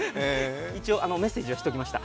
一応メッセージはしておきました。